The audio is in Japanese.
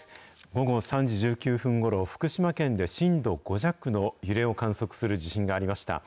午後３時１９分ごろ、福島県で震度５弱の揺れを観測する地震がありました。